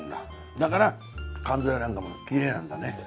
だから肝臓やなんかもきれいなんだね。